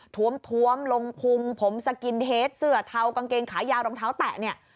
ถวมลงพุงผมสกินเทสเสือเทากางเกงขายาวรองเท้าแตะ